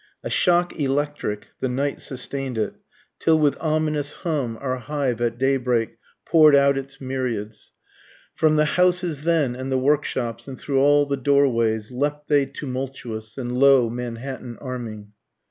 A shock electric, the night sustain'd it, Till with ominous hum our hive at daybreak pour'd out its myriads. From the houses then and the workshops, and through all the doorways, Leapt they tumultuous, and lo! Manhattan arming.